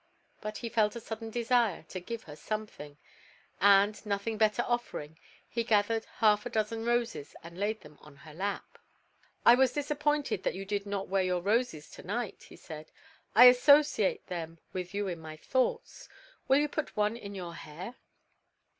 But he felt a sudden desire to give her something, and, nothing better offering, he gathered half a dozen roses and laid them on her lap. "I was disappointed that you did not wear your roses to night," he said. "I associate them with you in my thoughts. Will you put one in your hair?"